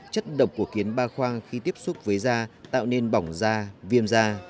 chất độc của kiến ba khoang khi tiếp xúc với da tạo nên bỏng da viêm da